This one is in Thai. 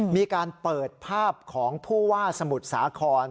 มีการเปิดภาพของผู้ว่าสมุทรสาคร